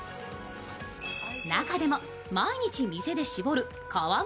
中でも毎日店で搾る川越